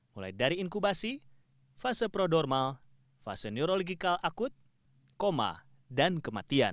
mulai dari inkubasi fase prodormal fase neurological akut koma dan kematian